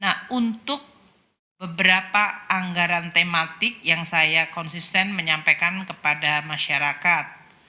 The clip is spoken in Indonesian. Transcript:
nah untuk beberapa anggaran tematik yang saya konsisten menyampaikan kepada masyarakat